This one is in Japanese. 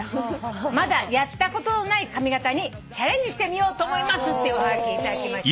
「まだやったことのない髪形にチャレンジしてみようと思います」っていうおはがき頂きまして。